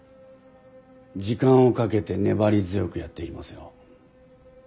時間をかけて粘り強くやっていきますよ。